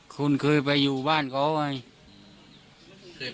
คุณเคยไปอยู่บ้านเขาไหม